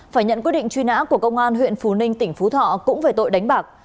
phải nhận quyết định truy nã của công an huyện phú ninh tỉnh phú thọ cũng về tội đánh bạc